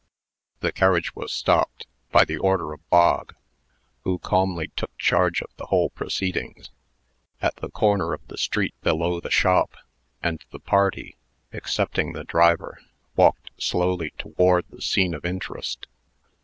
The carriage was stopped, by the order of Bog (who calmly took charge of the whole proceedings), at the corner of the street below the shop; and the party (excepting the driver) walked slowly toward the scene of interest.